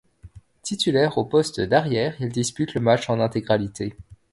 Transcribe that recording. Titulaire au poste d'arrière, il dispute le match en intégralité.